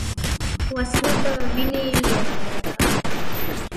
وسله د وینې لیواله ده